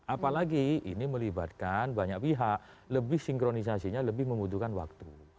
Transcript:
apalagi ini melibatkan banyak pihak lebih sinkronisasinya lebih membutuhkan waktu